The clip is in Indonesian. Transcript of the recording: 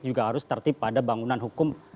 juga harus tertip pada bangunan hukum